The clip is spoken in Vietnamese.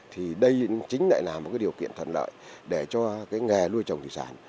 thì đây chính lại là một cái điều kiện thuận lợi để cho cái nghề nuôi trồng thủy sản